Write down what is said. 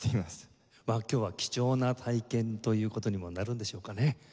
今日は貴重な体験という事にもなるんでしょうかね。